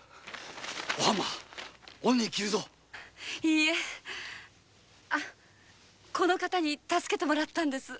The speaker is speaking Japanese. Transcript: いいえこの方に助けてもらったんです。